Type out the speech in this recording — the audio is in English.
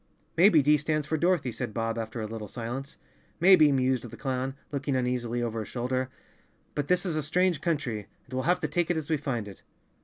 "Maybe D stands for Dorothy," said Bob, after a little silence. "Maybe," mused the clown, looking uneasily over his shoulder, "but this is a strange country, and we'll have to take it as we find it.